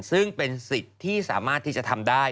ซึ่งเป็นสิทธิ์ที่สามารถที่จะทำได้